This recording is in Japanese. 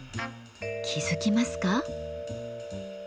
気付きますか？